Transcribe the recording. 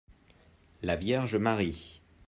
la Vierge Marie.